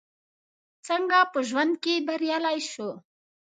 څنګه په ژوند کې بريالي شو ؟